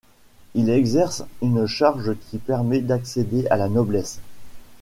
Il exerce une charge qui permet d'accéder à la noblesse.